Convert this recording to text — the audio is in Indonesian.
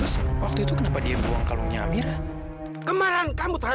sampai jumpa di video selanjutnya